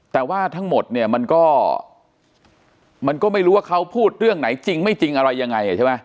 แต่ว่าทั้งหมดเนี่ยมันก็มันก็ไม่รู้ว่าเขาพูดเรื่องไหนจริงไม่จริงอะไรยังไงใช่ไหม